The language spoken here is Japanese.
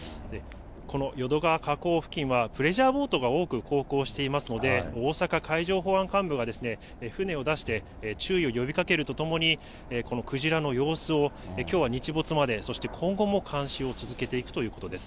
この淀川河口付近は、プレジャーボートが多く航行していますので、大阪海上保安監部は、船を出して注意を呼びかけるとともに、このクジラの様子をきょうは日没まで、そして今後も監視を続けていくということです。